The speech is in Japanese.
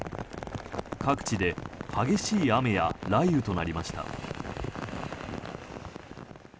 各地で激しい雨や雷雨となりました。